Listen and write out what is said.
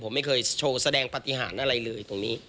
ผมไม่เคยโชว์แสดงปฏิหารอะไรเลยตรงนี้